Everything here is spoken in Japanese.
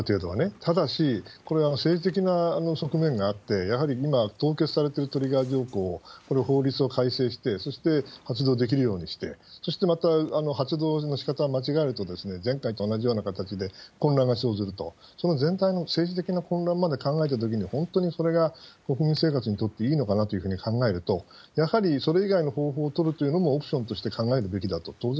ただし、これは政治的な側面があって、やはり今、凍結されてるトリガー条項、法律を改正して、そして発動できるようにして、そしてまた、発動のしかたを間違えると、前回と同じような形で混乱が生じると、その全体の政治的な混乱まで考えたときに、本当にそれが国民生活にとっていいのかなというふうに考えると、やはりそれ以外の方法を取るというのもオプションとして考えるべ